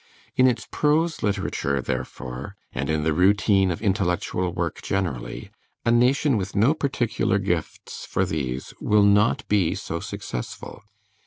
In its prose literature, therefore, and in the routine of intellectual work generally, a nation with no particular gifts for these will not be so successful.